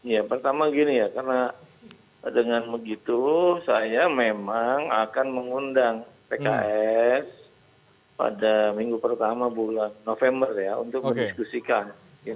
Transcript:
ya pertama gini ya karena dengan begitu saya memang akan mengundang pks pada minggu pertama bulan november ya untuk berdiskusikan